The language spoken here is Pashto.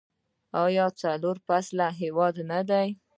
آیا څلور فصله هیواد نه دی؟